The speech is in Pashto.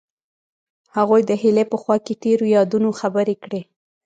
هغوی د هیلې په خوا کې تیرو یادونو خبرې کړې.